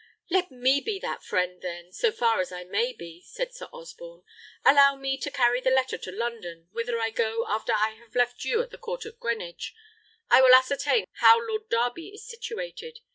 "Let me be that friend, then, so far as I may be," said Sir Osborne. "Allow me to carry the letter to London, whither I go after I have left you at the court at Greenwich. I will ascertain how Lord Darby is situated.